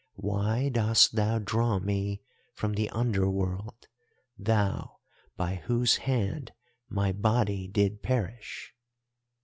Why dost thou draw me from the Under World, thou by whose hand my body did perish?